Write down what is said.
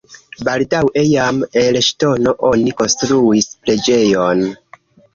Baldaŭe jam el ŝtono oni konstruis preĝejon.